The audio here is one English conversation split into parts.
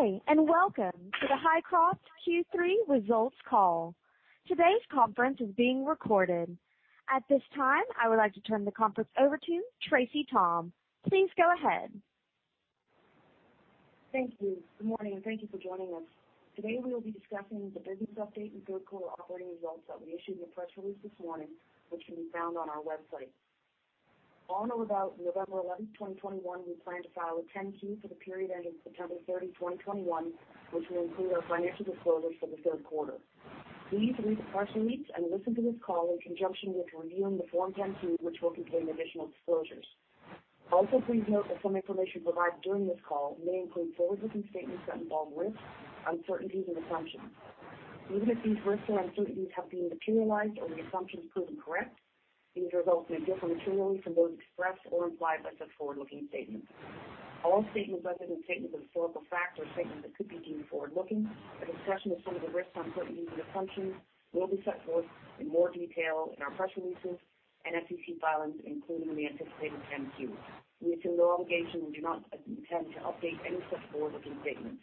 Good day, and welcome to the Hycroft Q3 results call. Today's conference is being recorded. At this time, I would like to turn the conference over to Tracey Thom. Please go ahead. Thank you. Good morning, and thank you for joining us. Today, we will be discussing the business update and third-quarter operating results that we issued in a press release this morning, which can be found on our website. On or about November 11, 2021, we plan to file a 10-Q for the period ending September 30, 2021, which will include our financial disclosures for the third quarter. Please read the press release and listen to this call in conjunction with reviewing the Form 10-Q, which will contain additional disclosures. Also, please note that some information provided during this call may include forward-looking statements that involve risks, uncertainties, and assumptions. Even if these risks or uncertainties have been materialized or the assumptions proven correct, these results may differ materially from those expressed or implied by such forward-looking statements. All statements other than statements of historical fact or statements that could be deemed forward-looking. A discussion of some of the risks, uncertainties, and assumptions will be set forth in more detail in our press releases and SEC filings, including in the anticipated 10-Q. We assume no obligation and do not intend to update any such forward-looking statements.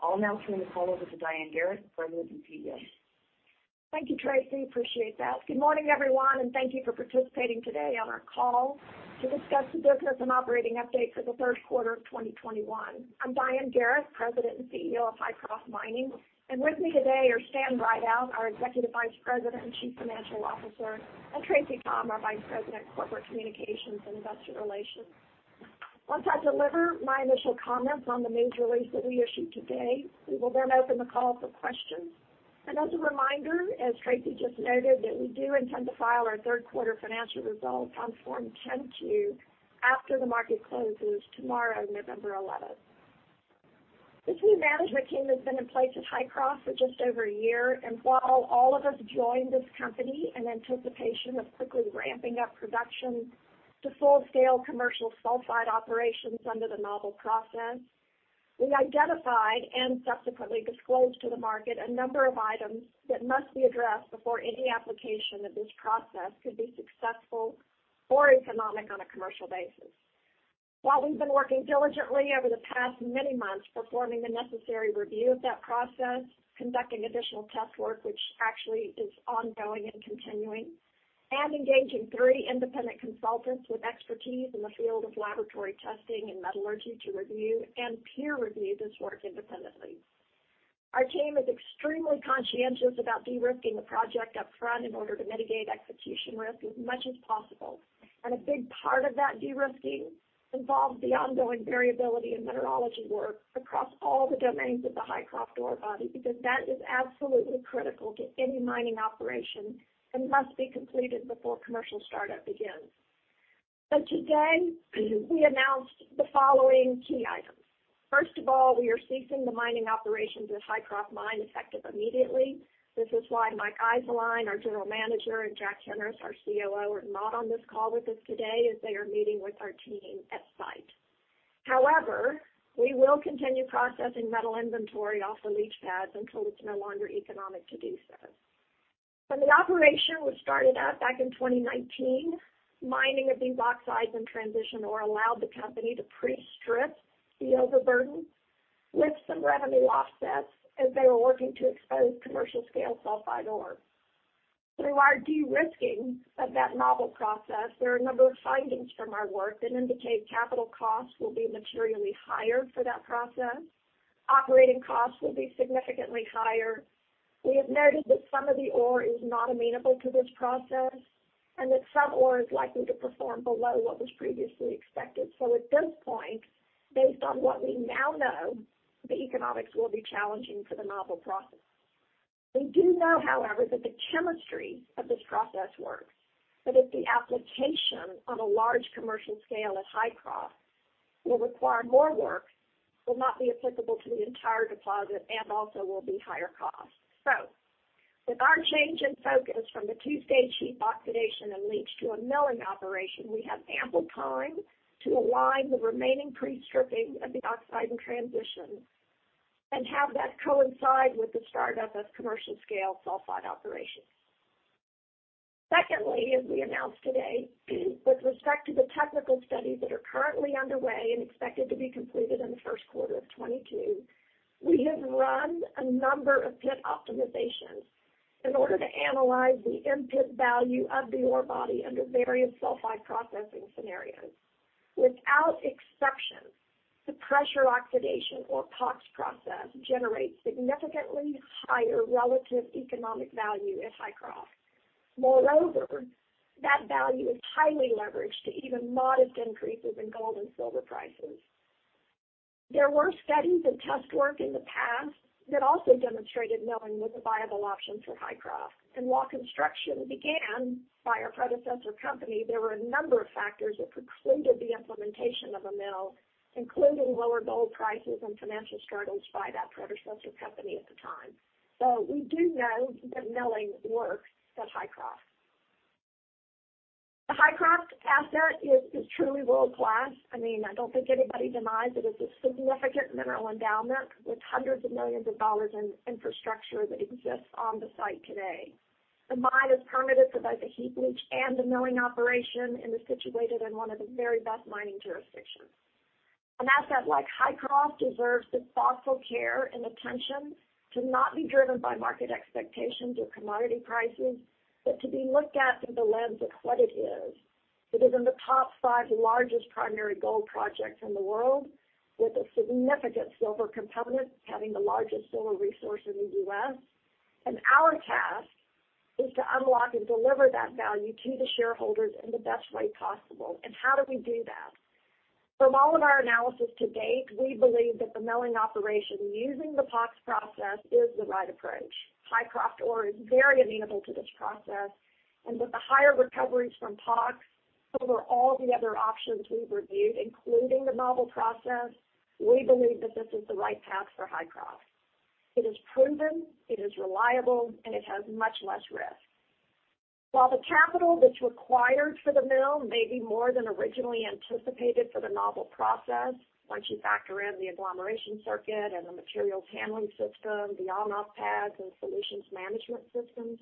I'll now turn the call over to Diane Garrett, President and CEO. Thank you, Tracey. Appreciate that. Good morning, everyone, and thank you for participating today on our call to discuss the business and operating update for the third quarter of 2021. I'm Diane Garrett, President and CEO of Hycroft Mining. With me today are Stan Rideout, our Executive Vice President and Chief Financial Officer, and Tracey Thom, our Vice President of Corporate Communications and Investor Relations. Once I deliver my initial comments on the news release that we issued today, we will then open the call for questions. As a reminder, as Tracey just noted, that we do intend to file our third quarter financial results on Form 10-Q after the market closes tomorrow, November 11. This new management team has been in place at Hycroft for just over a year. While all of us joined this company in anticipation of quickly ramping up production to full-scale commercial sulfide operations under the novel process, we identified and subsequently disclosed to the market a number of items that must be addressed before any application of this process could be successful or economic on a commercial basis. While we've been working diligently over the past many months, performing the necessary review of that process, conducting additional test work, which actually is ongoing and continuing, and engaging three independent consultants with expertise in the field of laboratory testing and metallurgy to review and peer review this work independently. Our team is extremely conscientious about de-risking the project up front in order to mitigate execution risk as much as possible. A big part of that de-risking involves the ongoing variability in mineralogy work across all the domains of the Hycroft ore body, because that is absolutely critical to any mining operation and must be completed before commercial startup begins. Today, we announced the following key items. First of all, we are ceasing the mining operations at Hycroft Mine effective immediately. This is why Mike Eiselein, our General Manager, and Jack Henris, our COO, are not on this call with us today, as they are meeting with our team at site. However, we will continue processing metal inventory off the leach pads until it's no longer economic to do so. When the operation was started out back in 2019, mining of the oxides and transition ore allowed the company to pre-strip the overburden with some revenue offsets as they were working to expose commercial-scale sulfide ore. Through our de-risking of that novel process, there are a number of findings from our work that indicate capital costs will be materially higher for that process. Operating costs will be significantly higher. We have noted that some of the ore is not amenable to this process and that some ore is likely to perform below what was previously expected. At this point, based on what we now know, the economics will be challenging for the novel process. We do know, however, that the chemistry of this process works, but that the application on a large commercial scale at Hycroft will require more work, will not be applicable to the entire deposit, and also will be higher cost. With our change in focus from the two-stage sulfide oxidation and leach to a milling operation, we have ample time to align the remaining pre-stripping of the oxide and transition, and have that coincide with the startup of commercial-scale sulfide operations. Secondly, as we announced today, with respect to the technical studies that are currently underway and expected to be completed in the first quarter of 2022, we have run a number of pit optimizations in order to analyze the in-pit value of the ore body under various sulfide processing scenarios. Without exception, the pressure oxidation or POX process generates significantly higher relative economic value at Hycroft. Moreover, that value is highly leveraged to even modest increases in gold and silver prices. There were studies and test work in the past that also demonstrated milling was a viable option for Hycroft. While construction began by our predecessor company, there were a number of factors that precluded the implementation of a mill, including lower gold prices and financial struggles by that predecessor company at the time. We do know that milling works at Hycroft. The Hycroft asset is truly world-class. I mean, I don't think anybody denies it is a significant mineral endowment with hundreds of millions of dollars in infrastructure that exists on the site today. The mine is permitted for both the heap leach and the milling operation and is situated in one of the very best mining jurisdictions. An asset like Hycroft deserves the thoughtful care and attention to not be driven by market expectations or commodity prices, but to be looked at through the lens of what it is. It is in the top 5 largest primary gold projects in the world with a significant silver component, having the largest silver resource in the U.S. Our task is to unlock and deliver that value to the shareholders in the best way possible. How do we do that? From all of our analysis to date, we believe that the milling operation using the POX process is the right approach. Hycroft ore is very amenable to this process, and with the higher recoveries from POX over all the other options we've reviewed, including the novel process, we believe that this is the right path for Hycroft. It is proven, it is reliable, and it has much less risk. While the capital that's required for the mill may be more than originally anticipated for the novel process, once you factor in the agglomeration circuit and the materials handling system, the on-off pads and solutions management systems,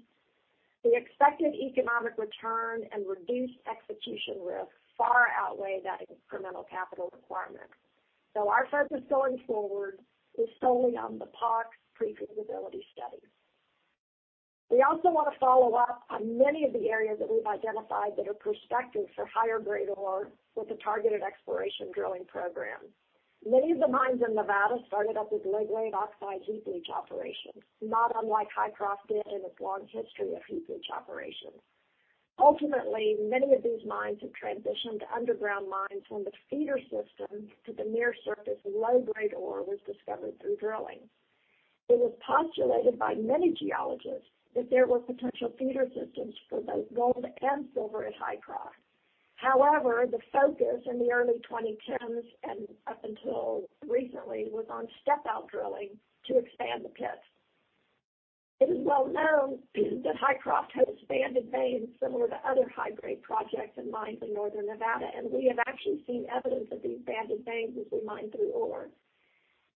the expected economic return and reduced execution risk far outweigh that incremental capital requirement. Our focus going forward is solely on the POX pre-feasibility study. We also want to follow up on many of the areas that we've identified that are prospective for higher-grade ore with a targeted exploration drilling program. Many of the mines in Nevada started up as low-grade oxide heap leach operations, not unlike Hycroft did in its long history of heap leach operations. Ultimately, many of these mines have transitioned to underground mines when the feeder system to the near-surface low-grade ore was discovered through drilling. It was postulated by many geologists that there were potential feeder systems for both gold and silver at Hycroft. However, the focus in the early 2010s and up until recently was on step-out drilling to expand the pit. It is well known that Hycroft has banded veins similar to other high-grade projects and mines in northern Nevada, and we have actually seen evidence of these banded veins as we mine through ore.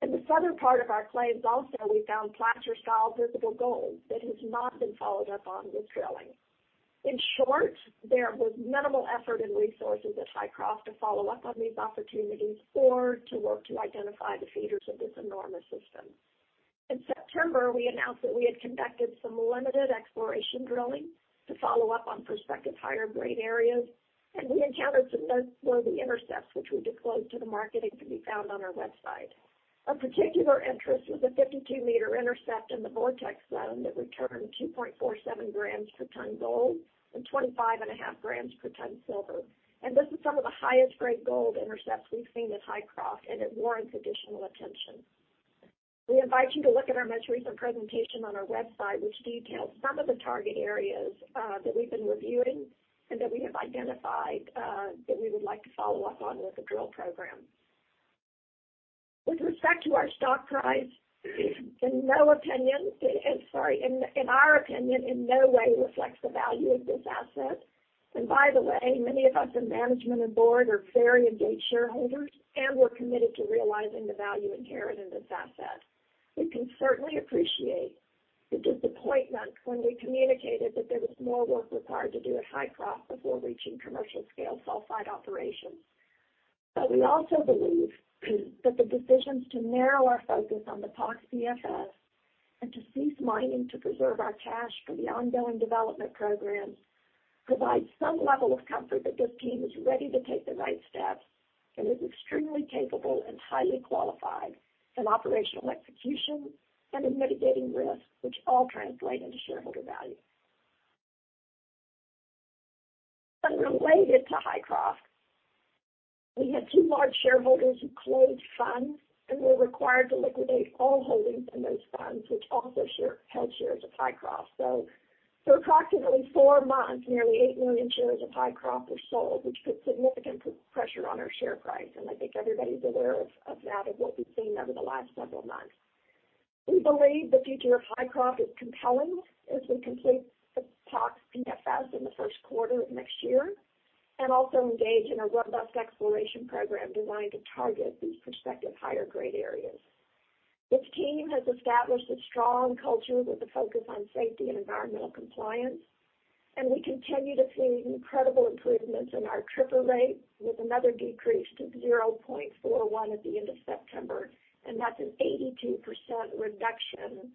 In the southern part of our claims also, we found placer-style visible gold that has not been followed up on with drilling. In short, there was minimal effort and resources at Hycroft to follow up on these opportunities or to work to identify the feeders of this enormous system. In September, we announced that we had conducted some limited exploration drilling to follow up on prospective higher-grade areas, and we encountered some noteworthy intercepts, which we disclosed to the market and can be found on our website. Of particular interest was a 52 m intercept in the Vortex Zone that returned 2.47 g per tonne gold and 25.5 g per tonne silver. This is some of the highest-grade gold intercepts we've seen at Hycroft, and it warrants additional attention. We invite you to look at our most recent presentation on our website, which details some of the target areas, that we've been reviewing and that we have identified, that we would like to follow up on with a drill program. With respect to our stock price, in our opinion, it in no way reflects the value of this asset. By the way, many of us in management, and board are very engaged shareholders, and we're committed to realizing the value inherent in this asset. We can certainly appreciate the disappointment when we communicated that there was more work required to do at Hycroft before reaching commercial-scale sulfide operations. We also believe that the decisions to narrow our focus on the POX PFS and to cease mining to preserve our cash for the ongoing development program provide some level of comfort that this team is ready to take the right steps and is extremely capable and highly qualified in operational execution and in mitigating risk, which all translate into shareholder value. Unrelated to Hycroft, we had two large shareholders who closed funds and were required to liquidate all holdings in those funds, which also held shares of Hycroft. For approximately four months, nearly 8 million shares of Hycroft were sold, which put significant pressure on our share price, and I think everybody's aware of that, of what we've seen over the last several months. We believe the future of Hycroft is compelling as we complete the POX PFS in the first quarter of next year and also engage in a robust exploration program designed to target these prospective higher-grade areas. This team has established a strong culture with a focus on safety and environmental compliance, and we continue to see incredible improvements in our TRIFR rate with another decrease to 0.41 at the end of September. That's an 82% reduction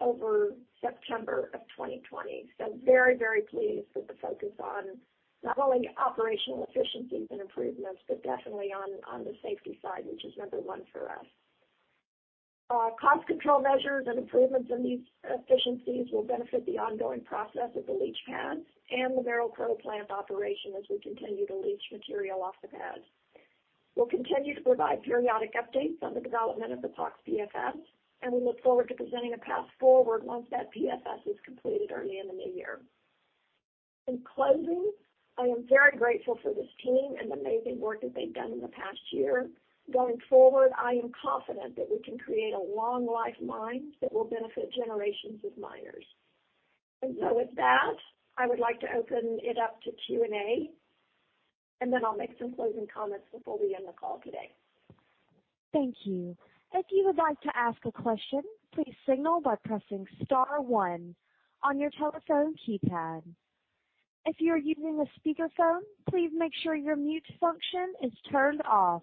over September of 2020. Very, very pleased with the focus on not only operational efficiencies and improvements, but definitely on the safety side, which is number one for us. Our cost control measures and improvements in these efficiencies will benefit the ongoing process at the leach pad and the Merrill-Crowe plant operation as we continue to leach material off the pad. We'll continue to provide periodic updates on the development of the POX PFS, and we look forward to presenting a path forward once that PFS is completed early in the new year. In closing, I am very grateful for this team and the amazing work that they've done in the past year. Going forward, I am confident that we can create a long-life mine that will benefit generations of miners. With that, I would like to open it up to Q&A, and then I'll make some closing comments before we end the call today. Thank you. If you would like to ask a question, please signal by pressing star one on your telephone keypad. If you are using a speakerphone, please make sure your mute function is turned off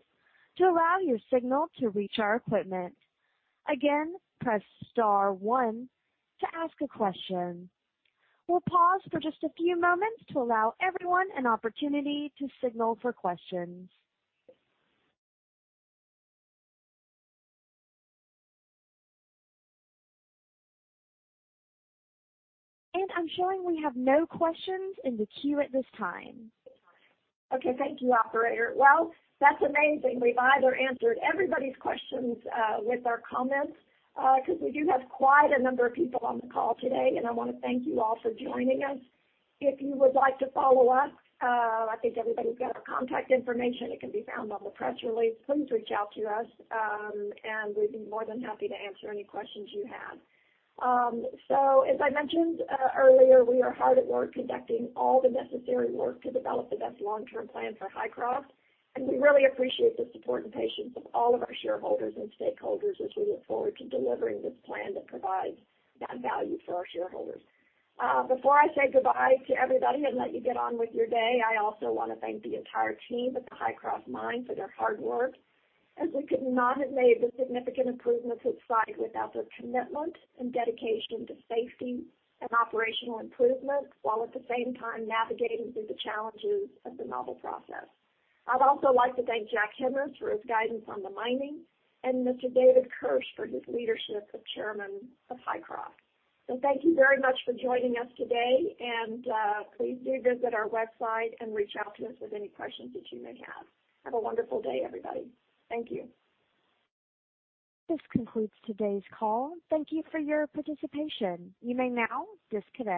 to allow your signal to reach our equipment. Again, press star one to ask a question. We'll pause for just a few moments to allow everyone an opportunity to signal for questions. I'm showing we have no questions in the queue at this time. Okay. Thank you, operator. Well, that's amazing. We've either answered everybody's questions with our comments, 'cause we do have quite a number of people on the call today, and I wanna thank you all for joining us. If you would like to follow up, I think everybody's got our contact information that can be found on the press release. Please reach out to us, and we'd be more than happy to answer any questions you have. So, as I mentioned earlier, we are hard at work conducting all the necessary work to develop the best long-term plan for Hycroft. We really appreciate the support and patience of all of our shareholders and stakeholders as we look forward to delivering this plan that provides that value for our shareholders. Before I say goodbye to everybody and let you get on with your day, I also wanna thank the entire team at the Hycroft Mine for their hard work, as we could not have made the significant improvements at site without their commitment and dedication to safety and operational improvement while at the same time navigating through the challenges of the novel process. I'd also like to thank Jack Henris for his guidance on the mining and Mr. David Kirsch for his leadership as Chairman of Hycroft. Thank you very much for joining us today, and, please do visit our website and reach out to us with any questions that you may have. Have a wonderful day, everybody. Thank you. This concludes today's call. Thank you for your participation. You may now disconnect.